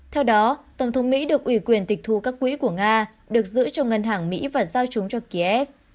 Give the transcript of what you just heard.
theo đó tổng thống mỹ được ủy quyền tịch thu các quỹ của nga được giữ cho ngân hàng mỹ và giao chúng cho kiev